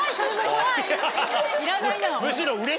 いらないな。